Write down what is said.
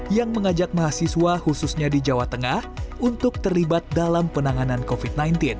yang mengajak mahasiswa khususnya di jawa tengah untuk terlibat dalam penanganan covid sembilan belas